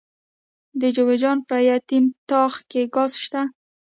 د جوزجان په یتیم تاغ کې ګاز شته.